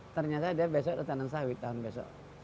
ternyata dia besok ketanan sawit tahun besok